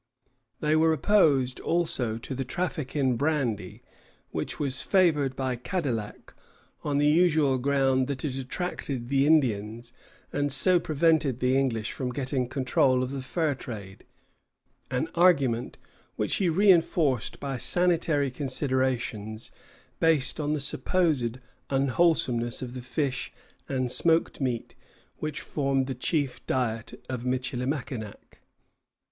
They were opposed also to the traffic in brandy, which was favored by Cadillac on the usual ground that it attracted the Indians, and so prevented the English from getting control of the fur trade, an argument which he reinforced by sanitary considerations based on the supposed unwholesomeness of the fish and smoked meat which formed the chief diet of Michilimackinac.